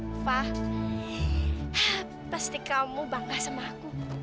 eva pasti kamu bangga sama aku